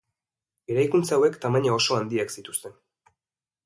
Eraikuntza hauek tamaina oso handiak zituzten.